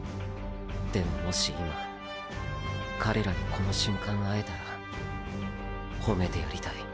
でももし今彼らにこの瞬間会えたらほめてやりたい。